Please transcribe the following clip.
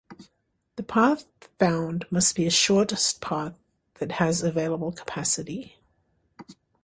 The path found must be a shortest path that has available capacity.